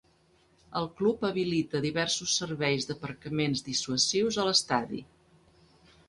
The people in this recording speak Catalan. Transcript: El club habilita diversos serveis d'aparcaments dissuasius a l'estadi.